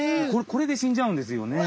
これで死んじゃうんですよね。